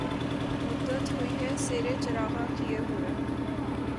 مدّت ہوئی ہے سیر چراغاں کئے ہوئے